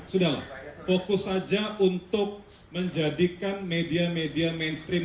sudah lah fokus saja untuk menjadikan media media mainstream